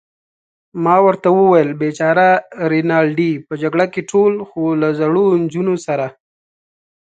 ما ورته وویل: بېچاره رینالډي، په جګړه کې ټول، خو له زړو نجونو سره.